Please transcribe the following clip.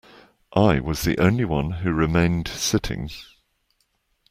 I was the only one who remained sitting.